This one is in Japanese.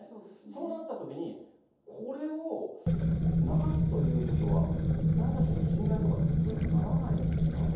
そうなったときに、これを流すということは、プライバシーの侵害とか、そういうのにならないんですか？